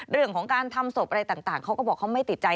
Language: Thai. เรื่องของการทำศพอะไรต่างเขาก็บอกเขาไม่ติดใจ